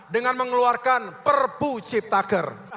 dengan mengeluarkan perpu cipta kerja